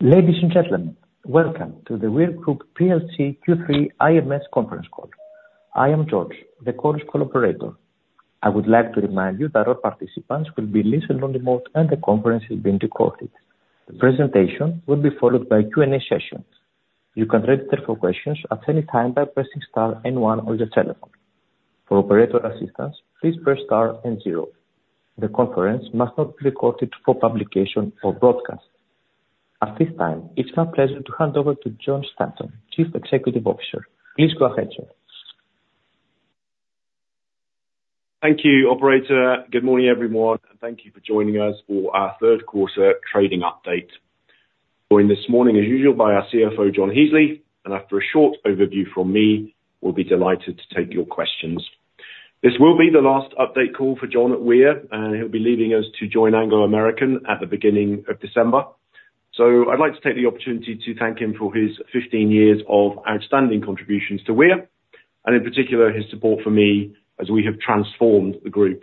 Ladies, and gentlemen, welcome to The Weir Group PLC Q3 IMS Conference Call. I am George, the conference call operator. I would like to remind you that all participants will be in listen-only mode, and the conference is being recorded. The presentation will be followed by Q&A sessions. You can register for questions at any time by pressing star and one on your telephone. For operator assistance, please press star and zero. The conference must not be recorded for publication or broadcast. At this time, it's my pleasure to hand over to Jon Stanton, Chief Executive Officer. Please go ahead, Jon. Thank you, Operator. Good morning, everyone, and thank you for joining us for our third quarter trading update. Joined this morning, as usual, by our CFO, John Heasley, and after a short overview from me, we'll be delighted to take your questions. This will be the last update call for John at Weir, and he'll be leaving us to join Anglo American at the beginning of December. So I'd like to take the opportunity to thank him for his 15 years of outstanding contributions to Weir, and in particular, his support for me as we have transformed the group.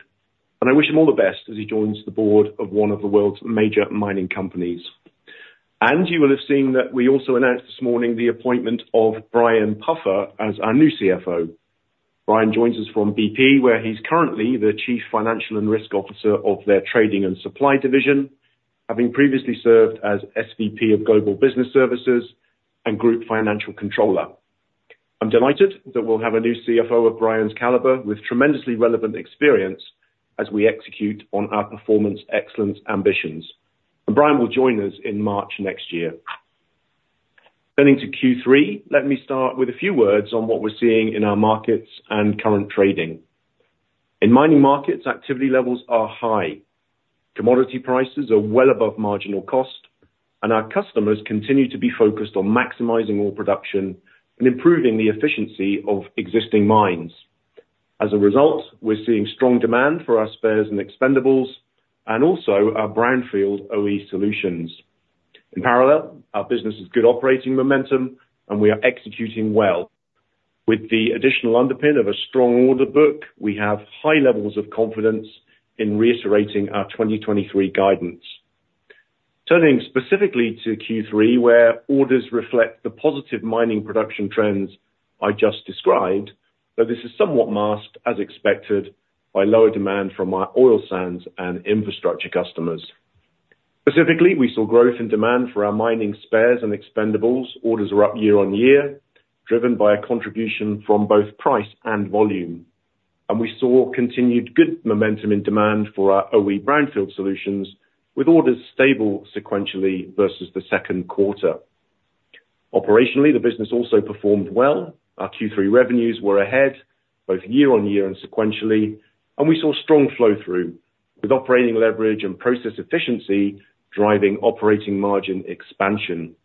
You will have seen that we also announced this morning the appointment of Brian Puffer as our new CFO. Brian joins us from BP, where he's currently the Chief Financial and Risk Officer of their trading and supply division, having previously served as SVP of Global Business Services and Group Financial Controller. I'm delighted that we'll have a new CFO of Brian's caliber with tremendously relevant experience as we execute on our Performance Excellence ambitions. Brian will join us in March next year. Turning to Q3, let me start with a few words on what we're seeing in our markets and current trading. In mining markets, activity levels are high, commodity prices are well above marginal cost, and our customers continue to be focused on maximizing ore production and improving the efficiency of existing mines. As a result, we're seeing strong demand for our spares and expendables and also our brownfield OE solutions. In parallel, our business has good operating momentum, and we are executing well. With the additional underpin of a strong order book, we have high levels of confidence in reiterating our 2023 guidance. Turning specifically to Q3, where orders reflect the positive mining production trends I just described, but this is somewhat masked, as expected, by lower demand from our oil sands and infrastructure customers. Specifically, we saw growth in demand for our mining spares and expendables. Orders are up year-on-year, driven by a contribution from both price and volume. And we saw continued good momentum in demand for our OE brownfield solutions, with orders stable sequentially versus the second quarter. Operationally, the business also performed well. Our Q3 revenues were ahead, both year-on-year and sequentially, and we saw strong flow-through with operating leverage and process efficiency driving operating margin expansion.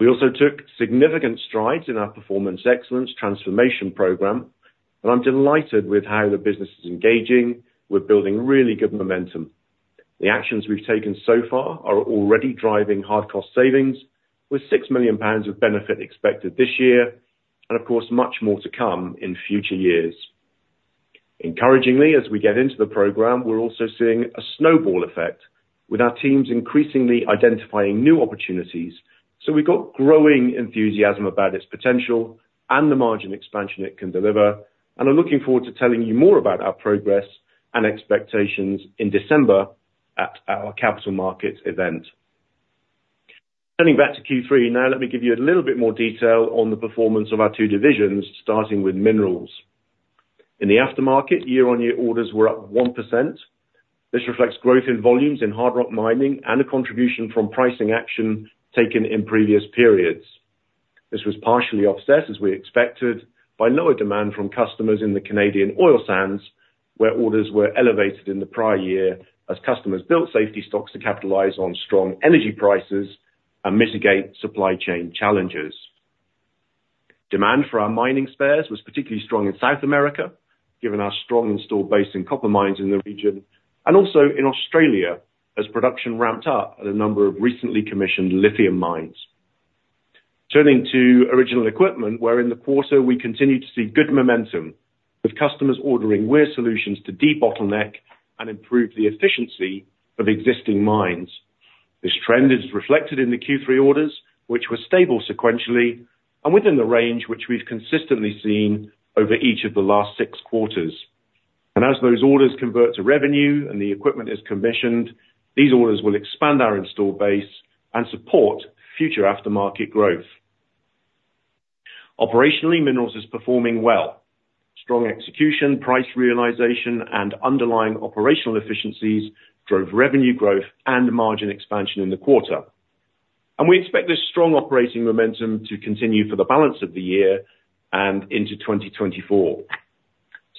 We also took significant strides in our Performance Excellence transformation program, and I'm delighted with how the business is engaging. We're building really good momentum. The actions we've taken so far are already driving hard cost savings, with 6 million pounds of benefit expected this year, and of course, much more to come in future years. Encouragingly, as we get into the program, we're also seeing a snowball effect, with our teams increasingly identifying new opportunities. So we've got growing enthusiasm about its potential and the margin expansion it can deliver, and I'm looking forward to telling you more about our progress and expectations in December at our Capital Markets Event. Turning back to Q3, now, let me give you a little bit more detail on the performance of our two divisions, starting with minerals. In the aftermarket, year-on-year orders were up 1%. This reflects growth in volumes in hard rock mining and a contribution from pricing action taken in previous periods. This was partially offset, as we expected, by lower demand from customers in the Canadian oil sands, where orders were elevated in the prior year as customers built safety stocks to capitalize on strong energy prices and mitigate supply chain challenges. Demand for our mining spares was particularly strong in South America, given our strong installed base in copper mines in the region, and also in Australia, as production ramped up at a number of recently commissioned lithium mines. Turning to original equipment, where in the quarter we continued to see good momentum, with customers ordering Weir solutions to debottleneck and improve the efficiency of existing mines. This trend is reflected in the Q3 orders, which were stable sequentially and within the range which we've consistently seen over each of the last six quarters. As those orders convert to revenue and the equipment is commissioned, these orders will expand our Install Base and support future Aftermarket growth. Operationally, Minerals is performing well. Strong execution, price realization, and underlying operational efficiencies drove revenue growth and margin expansion in the quarter. We expect this strong operating momentum to continue for the balance of the year and into 2024.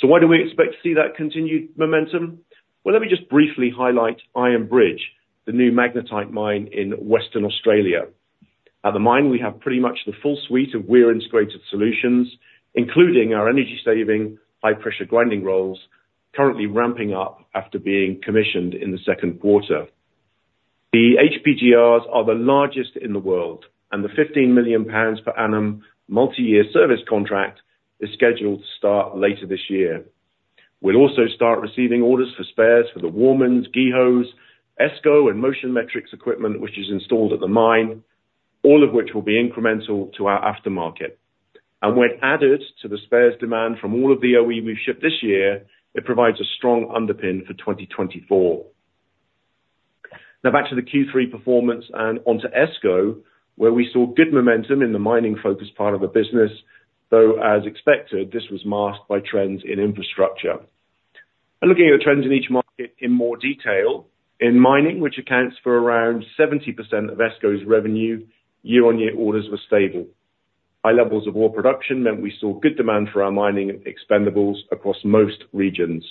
Why do we expect to see that continued momentum? Well, let me just briefly highlight Iron Bridge, the new magnetite mine in Western Australia. At the mine, we have pretty much the full suite of Weir integrated solutions, including our energy-saving, high-pressure grinding rolls, currently ramping up after being commissioned in the second quarter. The HPGRs are the largest in the world, and the 15 million pounds per annum multi-year service contract is scheduled to start later this year... We'll also start receiving orders for spares for the Warman, GEHO, ESCO, and Motion Metrics equipment, which is installed at the mine, all of which will be incremental to our aftermarket. And when added to the spares demand from all of the OE we've shipped this year, it provides a strong underpin for 2024. Now, back to the Q3 performance and onto ESCO, where we saw good momentum in the mining-focused part of the business, though, as expected, this was masked by trends in infrastructure. And looking at the trends in each market in more detail, in mining, which accounts for around 70% of ESCO's revenue, year-on-year orders were stable. High levels of ore production meant we saw good demand for our mining expendables across most regions.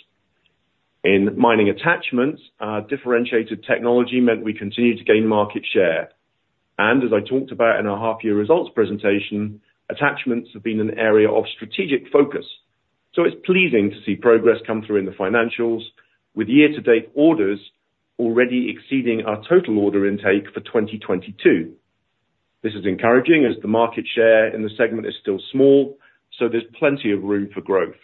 In mining attachments, our differentiated technology meant we continued to gain market share. And as I talked about in our half year results presentation, attachments have been an area of strategic focus, so it's pleasing to see progress come through in the financials, with year-to-date orders already exceeding our total order intake for 2022. This is encouraging as the market share in the segment is still small, so there's plenty of room for growth.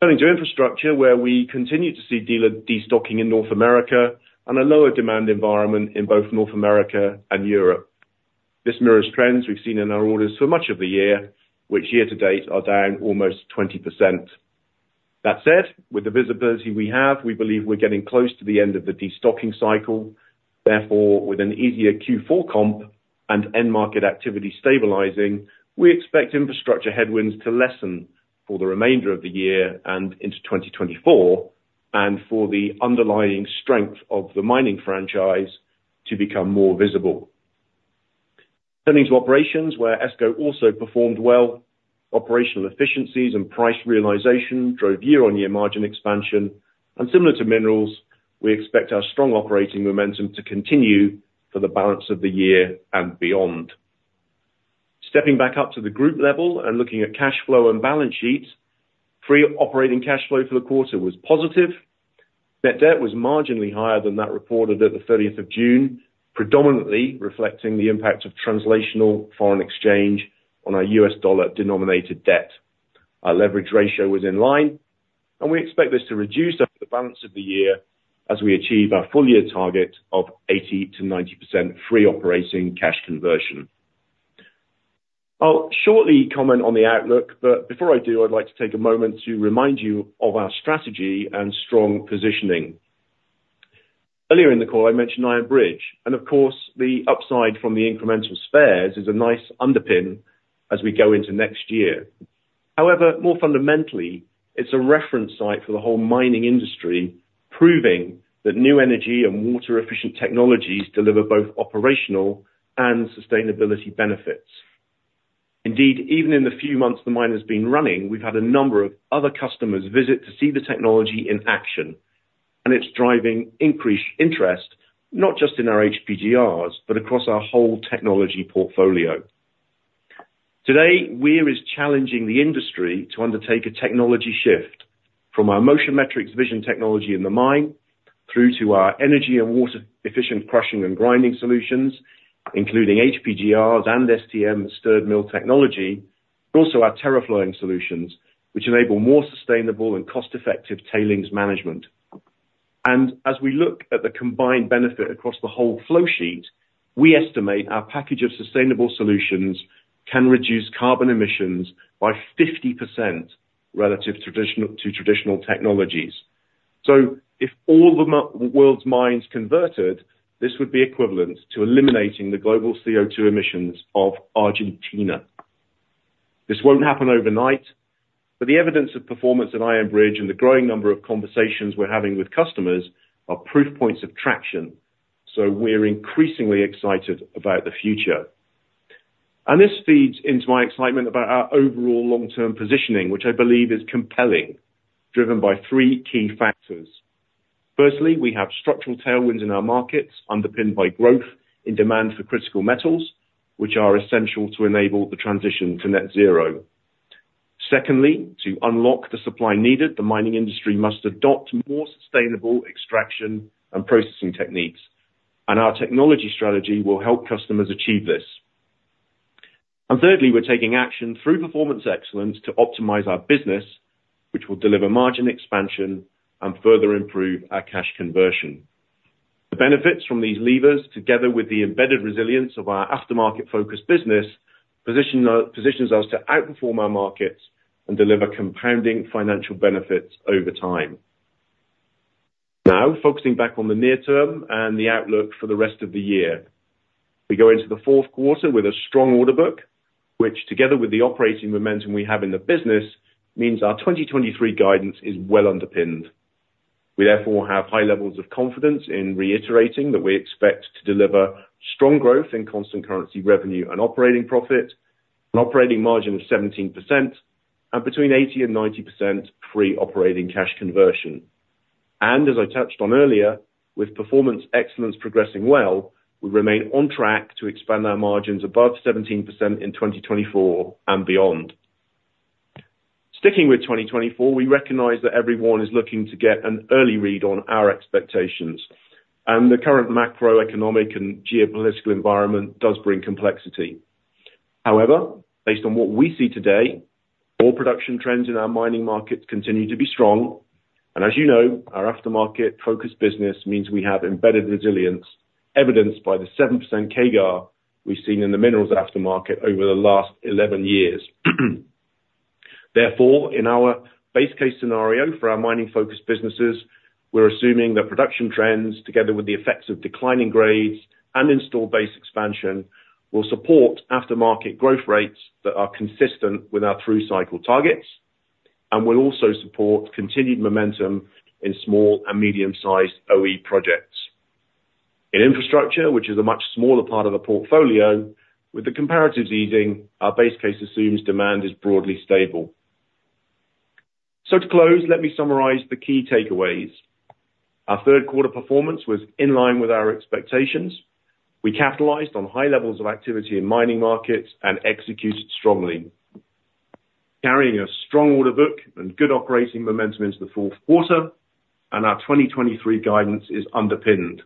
Turning to infrastructure, where we continue to see dealer destocking in North America and a lower demand environment in both North America and Europe. This mirrors trends we've seen in our orders for much of the year, which year-to-date are down almost 20%. That said, with the visibility we have, we believe we're getting close to the end of the destocking cycle. Therefore, with an easier Q4 comp and end market activity stabilizing, we expect infrastructure headwinds to lessen for the remainder of the year and into 2024, and for the underlying strength of the mining franchise to become more visible. Turning to operations, where ESCO also performed well, operational efficiencies and price realization drove year-on-year margin expansion, and similar to minerals, we expect our strong operating momentum to continue for the balance of the year and beyond. Stepping back up to the group level and looking at cash flow and balance sheets, free operating cash flow for the quarter was positive. Net debt was marginally higher than that reported at the 30th of June, predominantly reflecting the impact of translational foreign exchange on our US dollar-denominated debt. Our leverage ratio was in line, and we expect this to reduce over the balance of the year as we achieve our full-year target of 80%-90% free operating cash conversion. I'll shortly comment on the outlook, but before I do, I'd like to take a moment to remind you of our strategy and strong positioning. Earlier in the call, I mentioned Iron Bridge, and of course, the upside from the incremental spares is a nice underpin as we go into next year. However, more fundamentally, it's a reference site for the whole mining industry, proving that new energy and water-efficient technologies deliver both operational and sustainability benefits. Indeed, even in the few months the mine has been running, we've had a number of other customers visit to see the technology in action, and it's driving increased interest, not just in our HPGRs, but across our whole technology portfolio. Today, Weir is challenging the industry to undertake a technology shift from our Motion Metrics vision technology in the mine, through to our energy and water-efficient crushing and grinding solutions, including HPGRs and STM Stirred Mill technology, but also our TerraFlow solutions, which enable more sustainable and cost-effective tailings management. And as we look at the combined benefit across the whole flow sheet, we estimate our package of sustainable solutions can reduce carbon emissions by 50% relative to traditional technologies. So if all the world's mines converted, this would be equivalent to eliminating the global CO2 emissions of Argentina. This won't happen overnight, but the evidence of performance at Iron Bridge and the growing number of conversations we're having with customers are proof points of traction, so we're increasingly excited about the future. And this feeds into my excitement about our overall long-term positioning, which I believe is compelling, driven by three key factors. Firstly, we have structural tailwinds in our markets, underpinned by growth in demand for critical metals, which are essential to enable the transition to net zero. Secondly, to unlock the supply needed, the mining industry must adopt more sustainable extraction and processing techniques, and our technology strategy will help customers achieve this. And thirdly, we're taking action through Performance Excellence to optimize our business, which will deliver margin expansion and further improve our cash conversion. The benefits from these levers, together with the embedded resilience of our aftermarket-focused business, positions us to outperform our markets and deliver compounding financial benefits over time. Now, focusing back on the near term and the outlook for the rest of the year. We go into the fourth quarter with a strong order book, which, together with the operating momentum we have in the business, means our 2023 guidance is well underpinned. We therefore have high levels of confidence in reiterating that we expect to deliver strong growth in constant currency revenue and operating profit, an operating margin of 17%, and between 80% and 90% free operating cash conversion. And as I touched on earlier, with Performance Excellence progressing well, we remain on track to expand our margins above 17% in 2024 and beyond. Sticking with 2024, we recognize that everyone is looking to get an early read on our expectations, and the current macroeconomic and geopolitical environment does bring complexity. However, based on what we see today, all production trends in our mining markets continue to be strong, and as you know, our aftermarket-focused business means we have embedded resilience, evidenced by the 7% CAGR we've seen in the minerals aftermarket over the last 11 years. Therefore, in our base case scenario for our mining-focused businesses, we're assuming that production trends, together with the effects of declining grades and install base expansion, will support aftermarket growth rates that are consistent with our through cycle targets, and will also support continued momentum in small and medium-sized OE projects. In infrastructure, which is a much smaller part of the portfolio, with the comparatives easing, our base case assumes demand is broadly stable. So to close, let me summarize the key takeaways. Our third quarter performance was in line with our expectations. We capitalized on high levels of activity in mining markets and executed strongly, carrying a strong order book and good operating momentum into the fourth quarter, and our 2023 guidance is underpinned.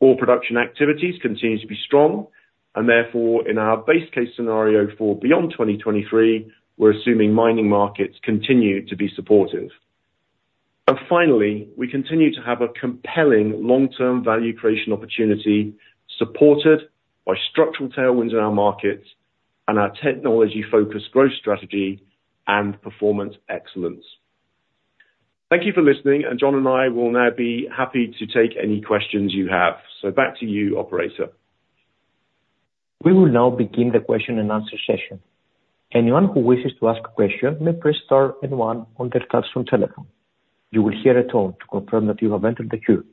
All production activities continue to be strong, and therefore, in our base case scenario for beyond 2023, we're assuming mining markets continue to be supportive. And finally, we continue to have a compelling long-term value creation opportunity, supported by structural tailwinds in our markets, and our technology-focused growth strategy, and Performance Excellence. Thank you for listening, and John and I will now be happy to take any questions you have. So back to you, Operator. We will now begin the question-and-answer session. Anyone who wishes to ask a question may press star and one on their touchtone telephone. You will hear a tone to confirm that you have entered the queue.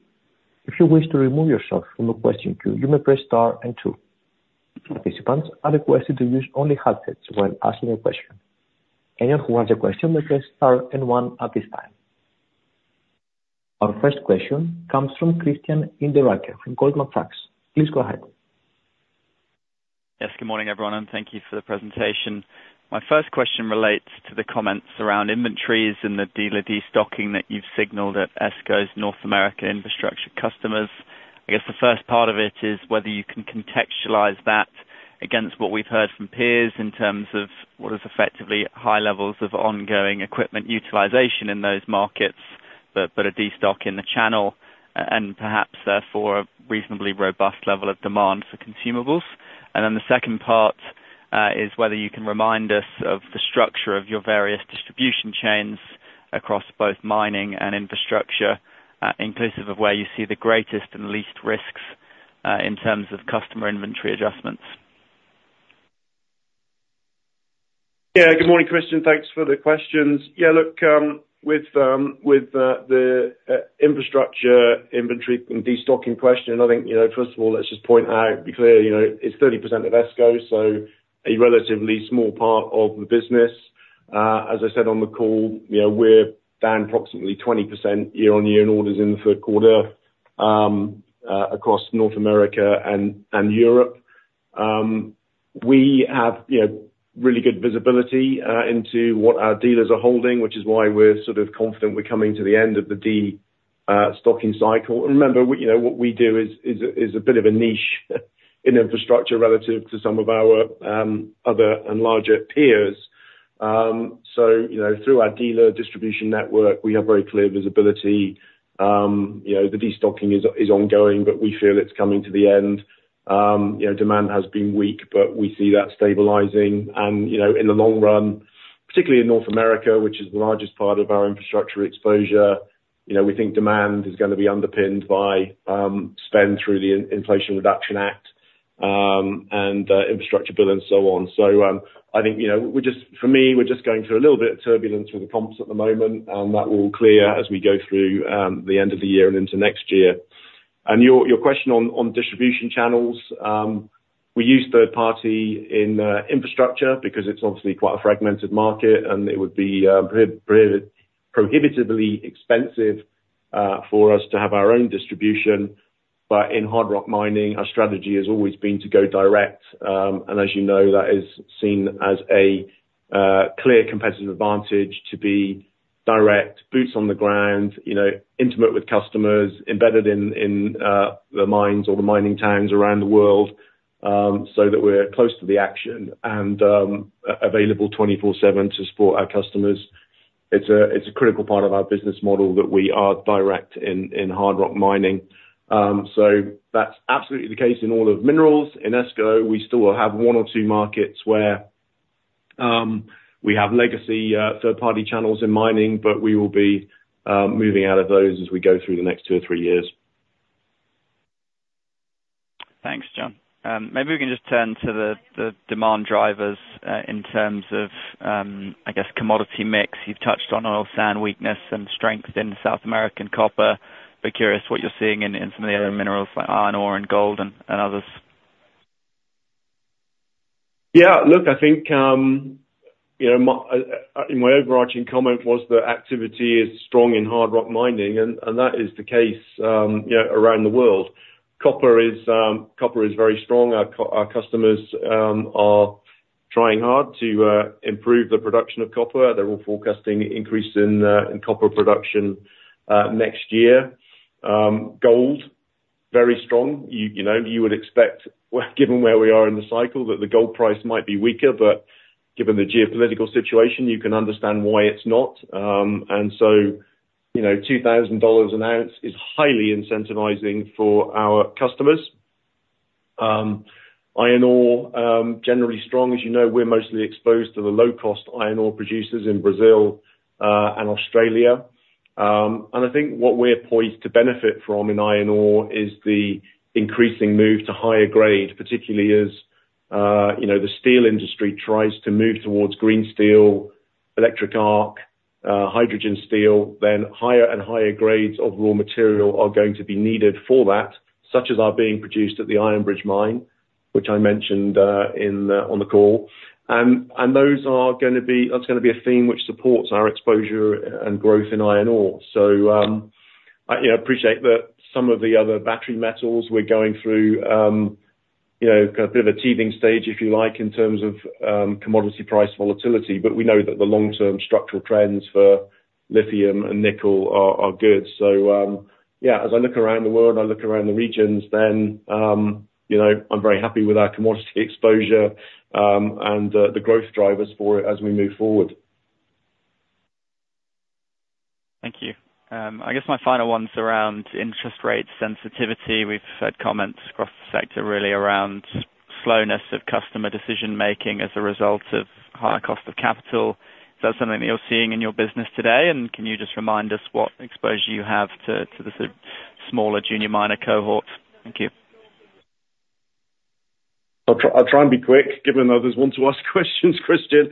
If you wish to remove yourself from the question queue, you may press star and two. Participants are requested to use only headsets when asking a question. Anyone who has a question may press star and one at this time. Our first question comes from Christian Hinderaker from Goldman Sachs. Please go ahead. Yes, good morning, everyone, and thank you for the presentation. My first question relates to the comments around inventories and the dealer destocking that you've signaled at ESCO's North America infrastructure customers. I guess the first part of it is whether you can contextualize that against what we've heard from peers, in terms of what is effectively high levels of ongoing equipment utilization in those markets, but a destock in the channel, and perhaps, therefore, a reasonably robust level of demand for consumables. And then the second part is whether you can remind us of the structure of your various distribution chains across both mining and infrastructure, inclusive of where you see the greatest and least risks, in terms of customer inventory adjustments. Yeah, good morning, Christian. Thanks for the questions. Yeah, look, with the infrastructure inventory and destocking question, I think, you know, first of all, let's just point out, be clear, you know, it's 30% of ESCO, so a relatively small part of the business. As I said on the call, you know, we're down approximately 20% year-on-year in orders in the third quarter, across North America and Europe. We have, you know, really good visibility into what our dealers are holding, which is why we're sort of confident we're coming to the end of the destocking cycle. And remember, you know, what we do is a bit of a niche in infrastructure relative to some of our other and larger peers. So, you know, through our dealer distribution network, we have very clear visibility. You know, the destocking is ongoing, but we feel it's coming to the end. You know, demand has been weak, but we see that stabilizing, and, you know, in the long run, particularly in North America, which is the largest part of our infrastructure exposure, you know, we think demand is gonna be underpinned by spend through the Inflation Reduction Act, and infrastructure build and so on. So, I think, you know, we're just, for me, we're just going through a little bit of turbulence with the comps at the moment, and that will clear as we go through the end of the year and into next year. And your question on distribution channels, we use third party in infrastructure because it's obviously quite a fragmented market, and it would be prohibitively expensive for us to have our own distribution. But in hard rock mining, our strategy has always been to go direct, and as you know, that is seen as a clear competitive advantage to be direct, boots on the ground, you know, intimate with customers, embedded in the mines or the mining towns around the world, so that we're close to the action, and available 24/7 to support our customers. It's a critical part of our business model that we are direct in hard rock mining. So that's absolutely the case in all of minerals. In ESCO, we still have one or two markets where we have legacy third-party channels in mining, but we will be moving out of those as we go through the next two or three years. Thanks, Jon. Maybe we can just turn to the demand drivers, in terms of, I guess, commodity mix. You've touched on oil sands weakness and strength in South American copper. But curious what you're seeing in some of the other minerals like iron ore and gold and others. Yeah, look, I think, you know, my overarching comment was that activity is strong in hard rock mining, and that is the case, you know, around the world. Copper is very strong. Our customers are trying hard to improve the production of copper. They're all forecasting increase in copper production next year. Gold, very strong. You know, you would expect, well, given where we are in the cycle, that the gold price might be weaker, but given the geopolitical situation, you can understand why it's not. And so, you know, $2,000 an ounce is highly incentivizing for our customers. Iron ore, generally strong. As you know, we're mostly exposed to the low-cost iron ore producers in Brazil and Australia. I think what we're poised to benefit from in iron ore is the increasing move to higher grade, particularly as you know, the steel industry tries to move towards green steel, electric arc, hydrogen steel, then higher and higher grades of raw material are going to be needed for that, such as are being produced at the Iron Bridge Mine, which I mentioned on the call. Those are gonna be... That's gonna be a theme which supports our exposure and growth in iron ore. So, I you know, appreciate that some of the other battery metals we're going through you know, kind of a bit of a teething stage, if you like, in terms of commodity price volatility, but we know that the long-term structural trends for lithium and nickel are good. So, yeah, as I look around the world, I look around the regions then, you know, I'm very happy with our commodity exposure, and the growth drivers for it as we move forward. Thank you. I guess my final one's around interest rate sensitivity. We've heard comments across the sector really around slowness of customer decision-making as a result of higher cost of capital. Is that something that you're seeing in your business today? And can you just remind us what exposure you have to, to the sort of smaller junior miner cohorts? Thank you. I'll try and be quick, given others want to ask questions, Christian.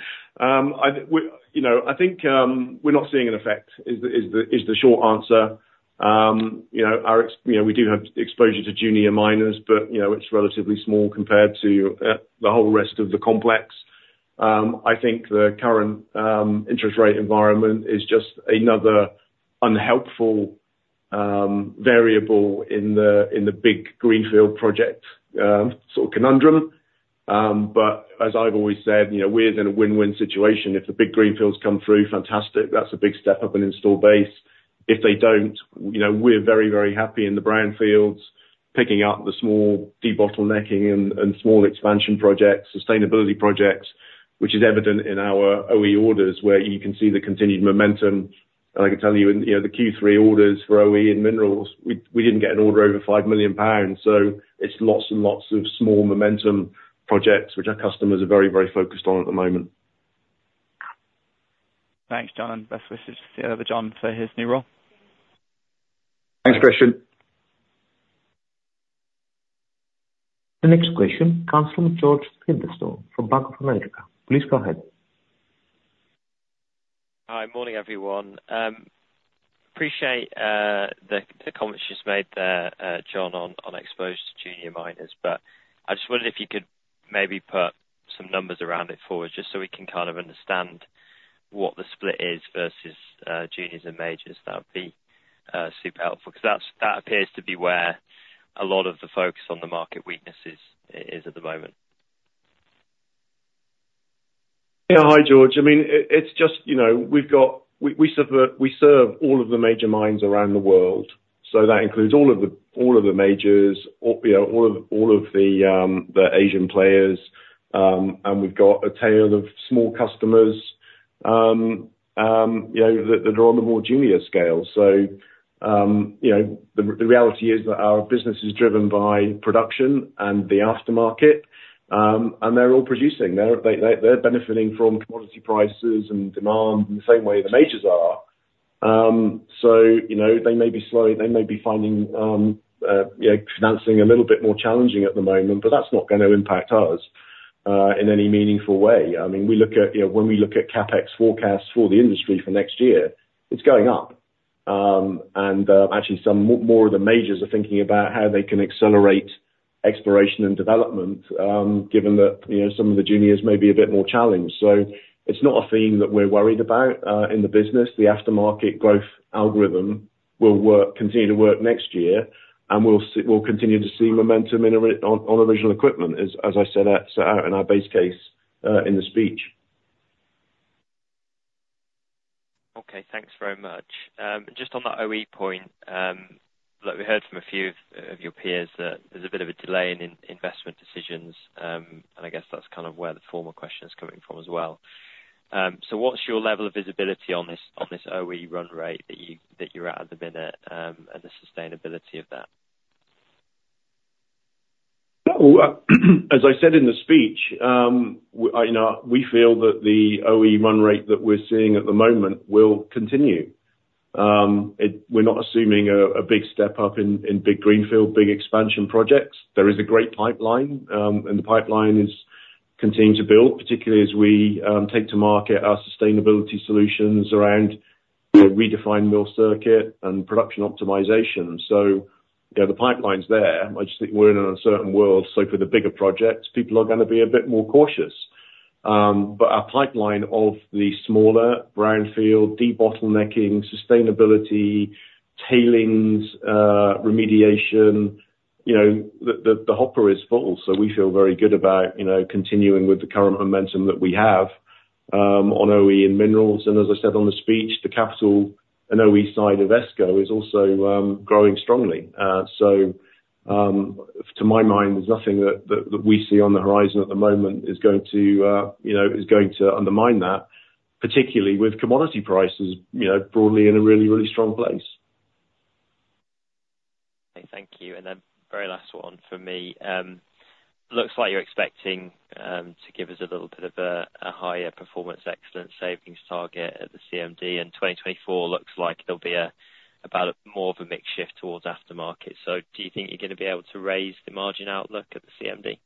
You know, I think we're not seeing an effect. Is the short answer. You know, we do have exposure to junior miners, but you know, it's relatively small compared to the whole rest of the complex. I think the current interest rate environment is just another unhelpful variable in the big greenfield project sort of conundrum. But as I've always said, you know, we're in a win-win situation. If the big greenfields come through, fantastic, that's a big step up in install base. If they don't, you know, we're very, very happy in the brownfields, picking up the small debottlenecking and small expansion projects, sustainability projects, which is evident in our OE orders, where you can see the continued momentum. I can tell you, in, you know, the Q3 orders for OE in minerals, we didn't get an order over 5 million pounds, so it's lots and lots of small momentum projects, which our customers are very, very focused on at the moment. Thanks, Jon, and best wishes to the other John for his new role. Thanks, Christian. The next question comes from George Featherstone from Bank of America. Please go ahead. Hi, morning, everyone. Appreciate the comments you just made there, Jon, on exposure to junior miners, but I just wondered if you could maybe put some numbers around it for us, just so we can kind of understand what the split is versus juniors and majors. That would be super helpful, 'cause that's where a lot of the focus on the market weaknesses is at the moment. Yeah. Hi, George. I mean, it's just, you know, we've got. We serve the, we serve all of the major mines around the world, so that includes all of the, all of the majors, you know, all of, all of the, the Asian players, and we've got a tail of small customers, you know, that, that are on the more junior scale. So, you know, the, the reality is that our business is driven by production and the aftermarket, and they're all producing. They're, they, they, they're benefiting from commodity prices and demand in the same way the majors are. So, you know, they may be slow, they may be finding, you know, financing a little bit more challenging at the moment, but that's not gonna impact us, in any meaningful way. I mean, we look at, you know, when we look at CapEx forecasts for the industry for next year, it's going up. Actually, some more of the majors are thinking about how they can accelerate exploration and development, given that, you know, some of the juniors may be a bit more challenged. So it's not a theme that we're worried about in the business. The aftermarket growth algorithm will work, continue to work next year, and we'll continue to see momentum in original equipment, as I set out in our base case in the speech. Okay. Thanks very much. Just on that OE point, look, we heard from a few of your peers that there's a bit of a delay in investment decisions, and I guess that's kind of where the former question is coming from as well. So what's your level of visibility on this OE run rate that you're at at the minute, and the sustainability of that? Well, as I said in the speech, you know, we feel that the OE run rate that we're seeing at the moment will continue. We're not assuming a big step up in big greenfield, big expansion projects. There is a great pipeline, and the pipeline is continuing to build, particularly as we take to market our sustainability solutions around Redefine Mill Circuit and Production Optimization. So, you know, the pipeline's there. I just think we're in an uncertain world, so for the bigger projects, people are gonna be a bit more cautious. But our pipeline of the smaller, brownfield, debottlenecking, sustainability tailings remediation, you know, the hopper is full, so we feel very good about, you know, continuing with the current momentum that we have on OE and minerals. And as I said on the speech, the capital and OE side of ESCO is also growing strongly. So, to my mind, there's nothing that we see on the horizon at the moment is going to, you know, is going to undermine that, particularly with commodity prices, you know, broadly in a really, really strong place. Thank you. Then very last one from me. Looks like you're expecting to give us a little bit of a higher Performance Excellence savings target at the CMD, and 2024 looks like there'll be about more of a mix shift towards aftermarket. So do you think you're gonna be able to raise the margin outlook at the CMD?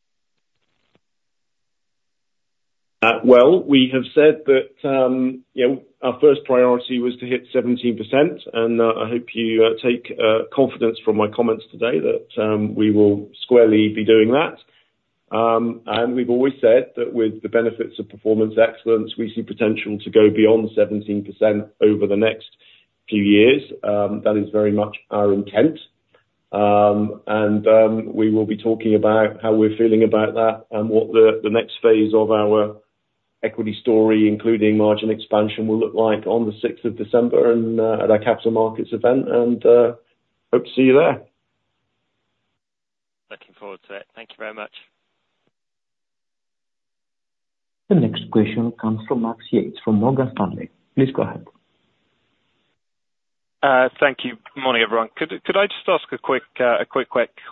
Well, we have said that, you know, our first priority was to hit 17%, and I hope you take confidence from my comments today, that we will squarely be doing that. And we've always said that with the benefits of Performance Excellence, we see potential to go beyond 17% over the next few years. That is very much our intent. And we will be talking about how we're feeling about that and what the next phase of our equity story, including margin expansion, will look like on the sixth of December at our Capital Markets Event, and hope to see you there. Looking forward to it. Thank you very much. The next question comes from Max Yates, from Morgan Stanley. Please go ahead. Thank you. Morning, everyone. Could I just ask a quick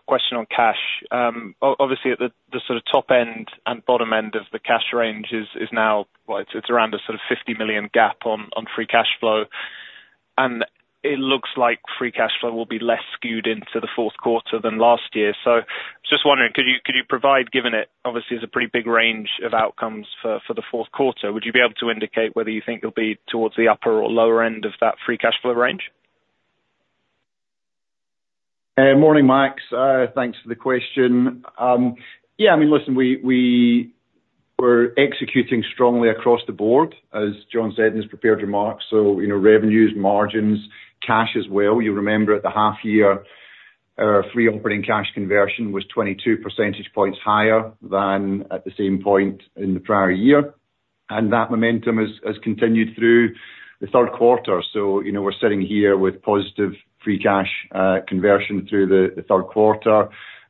question on cash? Obviously at the sort of top end and bottom end of the cash range is now, well, it's around a sort of 50 million gap on free cash flow. And it looks like free cash flow will be less skewed into the fourth quarter than last year. So just wondering, could you provide, given it obviously is a pretty big range of outcomes for the fourth quarter, would you be able to indicate whether you think it'll be towards the upper or lower end of that free cash flow range? Morning, Max. Thanks for the question. Yeah, I mean, listen, we're executing strongly across the board, as John said in his prepared remarks, so you know, revenues, margins, cash as well. You'll remember at the half year, our free operating cash conversion was 22 percentage points higher than at the same point in the prior year, and that momentum has continued through the third quarter. So, you know, we're sitting here with positive free cash conversion through the third quarter.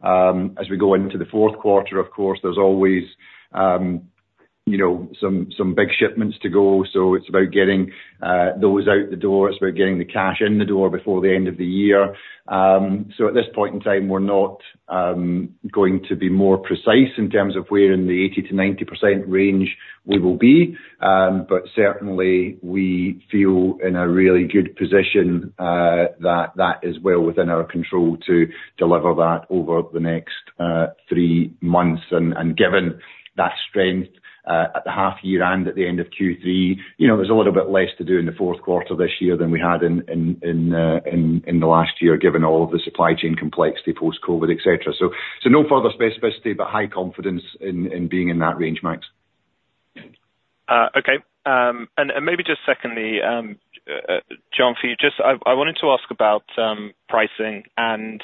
As we go into the fourth quarter, of course, there's always, you know, some big shipments to go, so it's about getting those out the door. It's about getting the cash in the door before the end of the year. So at this point in time, we're not going to be more precise in terms of where in the 80%-90% range we will be. But certainly, we feel in a really good position that that is well within our control to deliver that over the next three months. And given that strength at the half year and at the end of Q3, you know, there's a little bit less to do in the fourth quarter this year than we had in the last year, given all the supply chain complexity, post-COVID, et cetera. So no further specificity, but high confidence in being in that range, Max. Okay. And maybe just secondly, John, for you, just I wanted to ask about pricing, and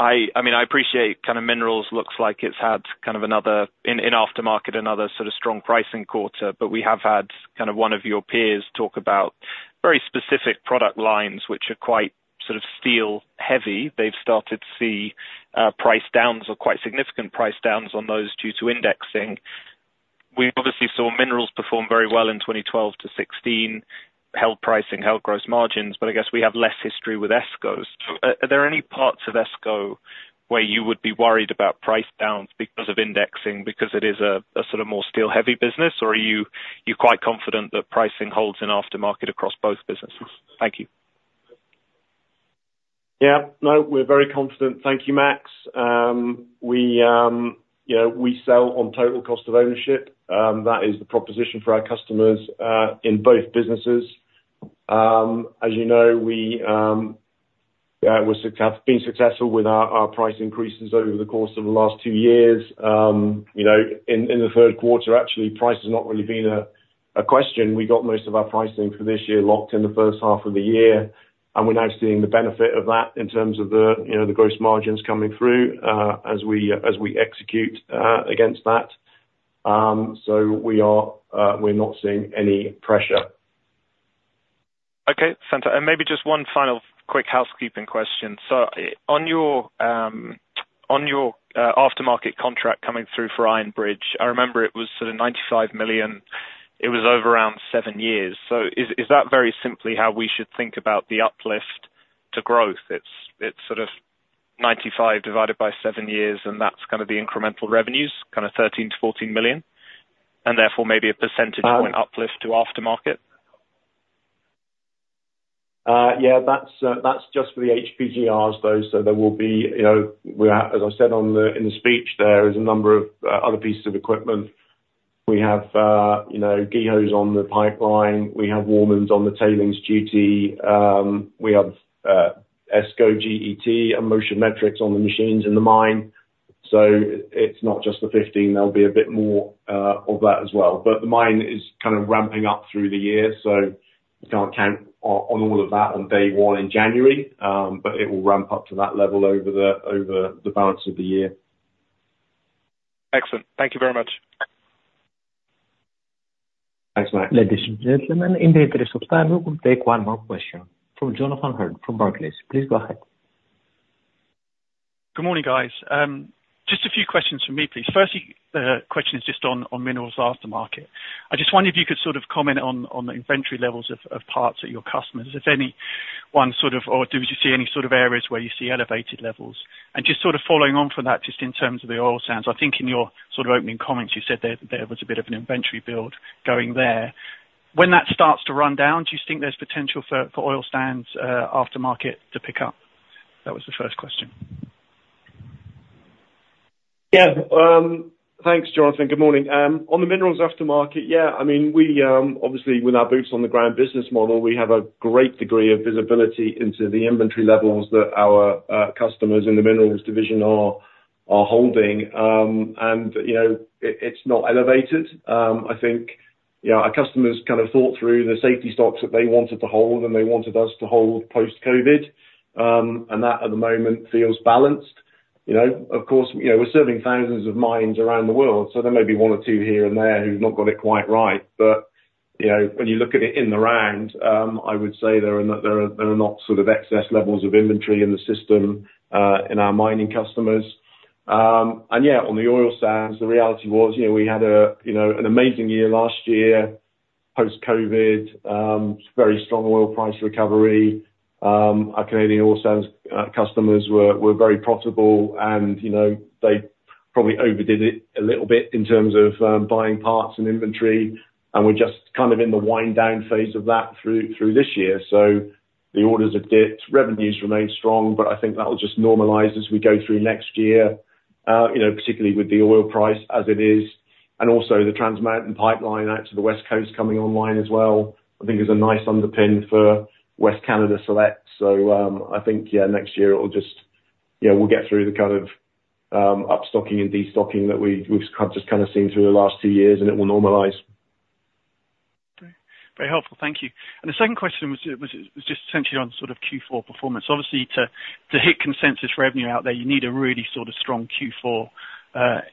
I mean, I appreciate kind of minerals looks like it's had kind of another, in aftermarket, another sort of strong pricing quarter, but we have had kind of one of your peers talk about very specific product lines, which are quite sort of steel heavy. They've started to see price downs or quite significant price downs on those due to indexing. We obviously saw minerals perform very well in 2012-2016, helped pricing, helped gross margins, but I guess we have less history with ESCO's. Are there any parts of ESCO where you would be worried about price downs because of indexing, because it is a sort of more steel-heavy business? Or are you, you're quite confident that pricing holds in aftermarket across both businesses? Thank you. Yeah. No, we're very confident. Thank you, Max. We, you know, we sell on total cost of ownership. That is the proposition for our customers in both businesses. As you know, we have been successful with our price increases over the course of the last two years. You know, in the third quarter, actually, price has not really been a question. We got most of our pricing for this year locked in the first half of the year, and we're now seeing the benefit of that in terms of the, you know, the gross margins coming through as we execute against that. So we are, we're not seeing any pressure. Okay, thanks. And maybe just one final quick housekeeping question. So on your, on your, aftermarket contract coming through for Iron Bridge, I remember it was sort of 95 million. It was over around seven years. So is, is that very simply how we should think about the uplift to growth? It's, it's sort of 95 divided by seven years, and that's kind of the incremental revenues, kind of 13 million-14 million, and therefore maybe a percentage point uplift to aftermarket? Yeah, that's just for the HPGRs though, so there will be, you know, we have. As I said in the speech, there is a number of other pieces of equipment. We have GEHOs on the pipeline. We have Warmans on the tailings duty. We have Esco, GET, and Motion Metrics on the machines in the mine. So it's not just the 15, there'll be a bit more of that as well. But the mine is kind of ramping up through the year, so you can't count on all of that on day one in January, but it will ramp up to that level over the balance of the year. Excellent. Thank you very much. Thanks, Max. Ladies, and gentlemen, in the interest of time, we will take one more question from Jonathan Hurn from Barclays. Please go ahead. Good morning, guys. Just a few questions from me, please. Firstly, the question is just on minerals aftermarket. I just wonder if you could sort of comment on the inventory levels of parts at your customers, if any one sort of or do you see any sort of areas where you see elevated levels? And just sort of following on from that, just in terms of the oil sands, I think in your sort of opening comments, you said there was a bit of an inventory build going there. When that starts to run down, do you think there's potential for oil sands aftermarket to pick up? That was the first question. Yeah. Thanks, Jonathan. Good morning. On the minerals aftermarket, yeah, I mean, we obviously, with our boots on the ground business model, we have a great degree of visibility into the inventory levels that our customers in the minerals division are holding. And, you know, it, it's not elevated. I think, you know, our customers kind of thought through the safety stocks that they wanted to hold, and they wanted us to hold post-COVID, and that, at the moment, feels balanced. You know, of course, you know, we're serving thousands of mines around the world, so there may be one or two here and there who've not got it quite right, but, you know, when you look at it in the round, I would say there are not sort of excess levels of inventory in the system in our mining customers. And yeah, on the oil sands, the reality was, you know, we had, you know, an amazing year last year, post-COVID, very strong oil price recovery. Our Canadian oil sands customers were very profitable and, you know, they probably overdid it a little bit in terms of buying parts and inventory, and we're just kind of in the wind down phase of that through this year. So the orders have dipped. Revenues remain strong, but I think that will just normalize as we go through next year, you know, particularly with the oil price as it is, and also the Trans Mountain Pipeline out to the West Coast coming online as well, I think is a nice underpin for West Canada Select. So, I think, yeah, next year it will just... You know, we'll get through the kind of upstocking and destocking that we've just kind of seen through the last two years, and it will normalize. Very helpful. Thank you. And the second question was just essentially on sort of Q4 performance. Obviously, to hit consensus revenue out there, you need a really sort of strong Q4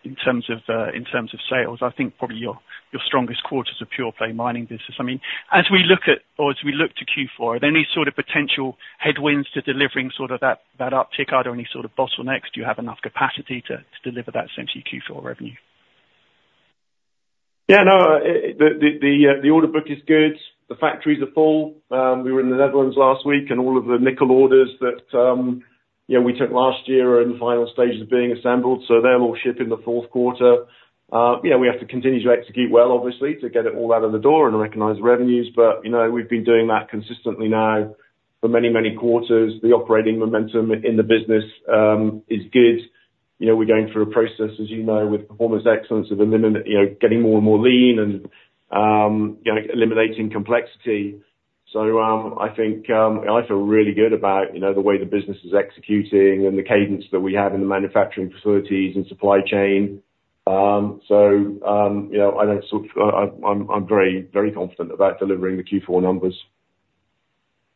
in terms of sales. I think probably your strongest quarter is a pure play mining business. I mean, as we look at or as we look to Q4, are there any sort of potential headwinds to delivering sort of that uptick? Are there any sort of bottlenecks? Do you have enough capacity to deliver that surging Q4 revenue? Yeah, no, the order book is good. The factories are full. We were in the Netherlands last week, and all of the nickel orders that, you know, we took last year are in the final stages of being assembled, so they'll all ship in the fourth quarter. You know, we have to continue to execute well, obviously, to get it all out of the door and recognize revenues, but, you know, we've been doing that consistently now for many, many quarters. The operating momentum in the business is good. You know, we're going through a process, as you know, with Performance Excellence of eliminating you know, getting more and more lean and, you know, eliminating complexity. So, I think I feel really good about, you know, the way the business is executing and the cadence that we have in the manufacturing facilities and supply chain. So, you know, I'm very, very confident about delivering the Q4 numbers.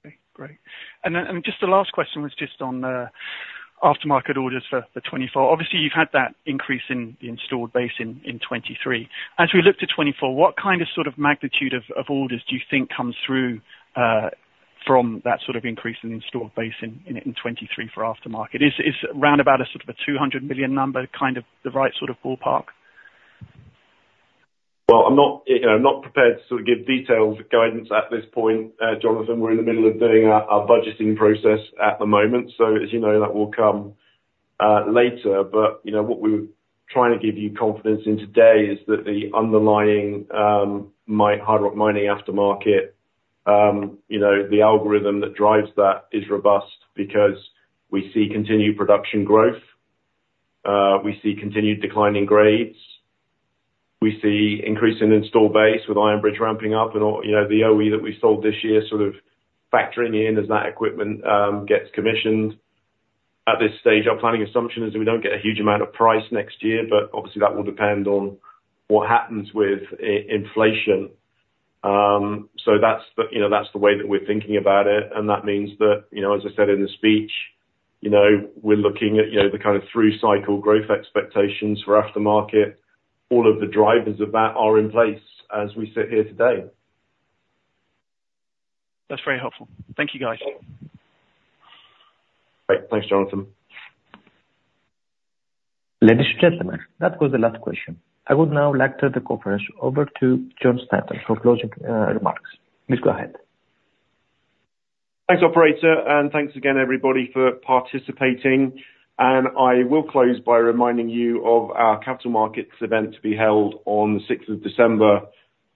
Okay, great. And then, and just the last question was just on the aftermarket orders for the 2024. Obviously, you've had that increase in the installed base in, in 2023. As we look to 2024, what kind of sort of magnitude of, of orders do you think comes through, from that sort of increase in installed base in, in, in 2023 for aftermarket? Is, is round about a sort of a 200 million number, kind of the right sort of ballpark? Well, I'm not, you know, I'm not prepared to sort of give detailed guidance at this point, Jonathan. We're in the middle of doing our budgeting process at the moment, so as you know, that will come later. But, you know, what we're trying to give you confidence in today is that the underlying hard rock mining aftermarket, you know, the algorithm that drives that is robust because we see continued production growth, we see continued decline in grades, we see increase in install base with Iron Bridge ramping up and all, you know, the OE that we sold this year, sort of factoring in as that equipment gets commissioned. At this stage, our planning assumption is that we don't get a huge amount of price next year, but obviously, that will depend on what happens with inflation. So that's the, you know, that's the way that we're thinking about it, and that means that, you know, as I said in the speech, you know, we're looking at, you know, the kind of through cycle growth expectations for aftermarket. All of the drivers of that are in place as we sit here today. That's very helpful. Thank you, guys. Great. Thanks, Jonathan. Ladies, and gentlemen, that was the last question. I would now like to hand the conference over to Jon Stanton for closing remarks. Please go ahead. Thanks, Operator, and thanks again everybody for participating, and I will close by reminding you of our Capital Markets Event to be held on the sixth of December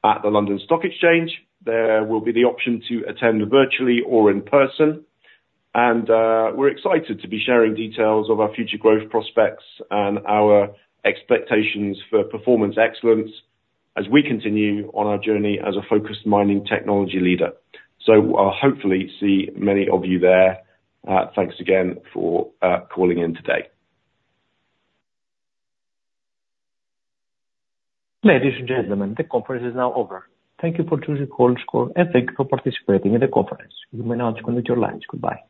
at the London Stock Exchange. There will be the option to attend virtually or in person, and we're excited to be sharing details of our future growth prospects and our expectations for Performance Excellence as we continue on our journey as a focused mining technology leader. So I'll hopefully see many of you there. Thanks again for calling in today. Ladies, and gentlemen, the conference is now over. Thank you for choosing Chorus Call, and thank you for participating in the conference. You may now disconnect your lines. Goodbye.